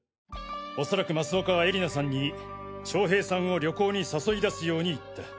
おそらく増岡は絵里菜さんに将平さんを旅行に誘い出すように言った。